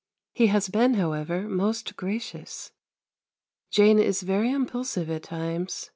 He has been, however, most gracious. Jane is very impulsive at times.